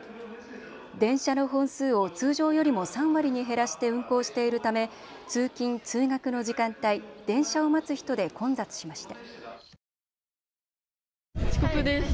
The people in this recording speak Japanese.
電車の本数を通常よりも３割に減らして運行しているため通勤通学の時間帯、電車を待つ人で混雑しました。